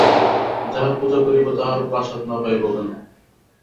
যাহার পূজা করিব তাহার প্রসাদ না পাইব কেন।